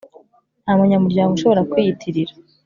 Nta munyamuryango ushobora kwiyitirira